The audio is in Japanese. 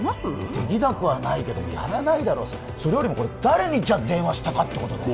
できなくはないけどやらないだろそれよりもこれ誰に電話したかってことだよ